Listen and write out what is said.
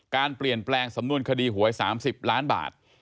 การเปลี่ยนแปลงสำนวนคดีหวย๓๐ล้านบาท